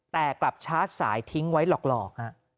แต่กลับชาร์จสายทิ้งไว้หลอก